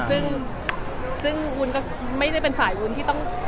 ซึ่งซึ่งวุ้นก็ไม่ได้เป็นฝ่ายวุ้นที่ต้อง